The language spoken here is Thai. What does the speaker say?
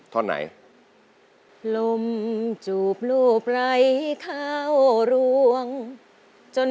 แผนที่๓ที่คุณนุ้ยเลือกออกมานะครับ